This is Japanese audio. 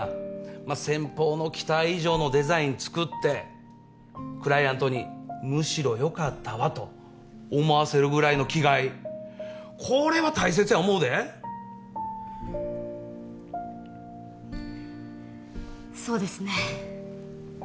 まあ先方の期待以上のデザイン作ってクライアントにむしろよかったわと思わせるぐらいの気概これは大切や思うでそうですね